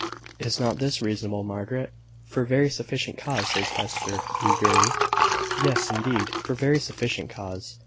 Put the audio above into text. Is not this reasonable, Margaret?" "For very sufficient cause!" said Hester, eagerly. "Yes, indeed; for very sufficient cause.